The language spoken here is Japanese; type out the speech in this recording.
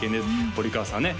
堀川さんはね